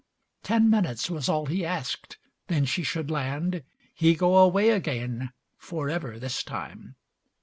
Ten Minutes was all he asked, then she should land, He go away again, Forever this time.